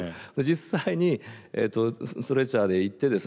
実際にストレッチャーで行ってですね